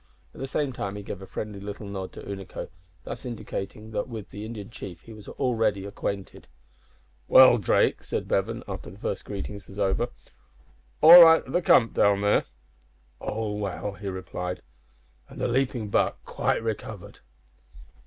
At the same time he gave a friendly little nod to Unaco, thus indicating that with the Indian chief he was already acquainted. "Well, Drake," said Bevan, after the first greetings were over, "all right at the camp down there?" "All well," he replied, "and the Leaping Buck quite recovered."